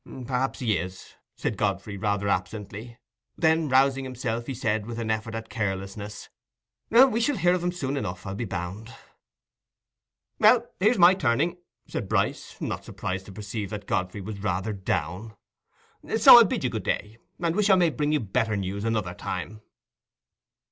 "Perhaps he is," said Godfrey, rather absently. Then rousing himself, he said, with an effort at carelessness, "We shall hear of him soon enough, I'll be bound." "Well, here's my turning," said Bryce, not surprised to perceive that Godfrey was rather "down"; "so I'll bid you good day, and wish I may bring you better news another time."